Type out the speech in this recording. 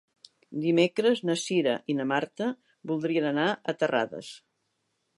Dimecres na Cira i na Marta voldrien anar a Terrades.